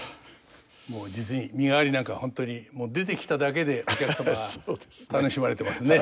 もう実に「身替」なんかは本当にもう出てきただけでお客様が楽しまれてますね。